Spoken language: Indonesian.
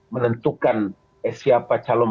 menentukan siapa calon